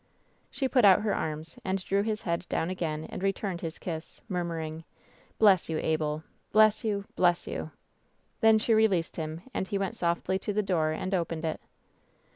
She put out her arms and drew his head down again. and returned his kiss, murmuring: "Bless you, Abel ! Bless you ! Bless you !" Then she released him, and he went softly to the door and opened it.